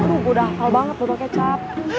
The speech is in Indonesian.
aduh gue udah hafal banget belok kecap